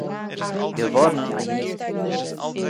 געוואָרן אַ איד